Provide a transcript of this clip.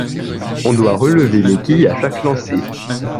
On doit relever les quilles à chaque lancer.